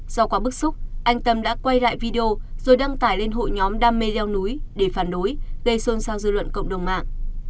do quá bức xúc anh tâm đã quay lại video rồi đăng tải lên hội nhóm đam mê leo núi để phản đối gây xôn xao dư luận cộng đồng mạng